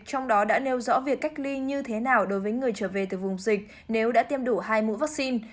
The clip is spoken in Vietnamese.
trong đó đã nêu rõ việc cách ly như thế nào đối với người trở về từ vùng dịch nếu đã tiêm đủ hai mũi vaccine